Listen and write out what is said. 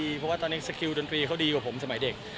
เพราะว่าตอนนี้สกิลดนตรีเขาดีกว่าผมสมัยเด็ก